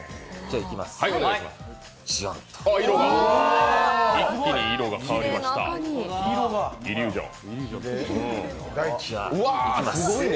あっ、色が、一気に色が変わりました、イリュージョン。